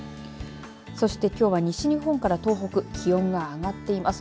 そして、きょうは西日本から東北気温が上がっています。